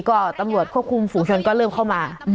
ก็ตำรวจควบคุมฝูงชนก็เริ่มเข้ามา